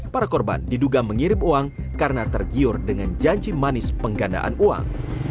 para korban diduga mengirim uang karena tergiur dengan janji manis penggandaan uang